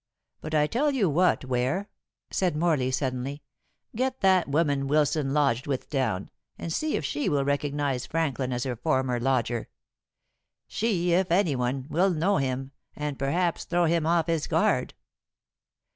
But I tell you what, Ware," said Morley suddenly, "get that woman Wilson lodged with down, and see if she will recognize Franklin as her former lodger. She, if any one, will know him, and perhaps throw him off his guard."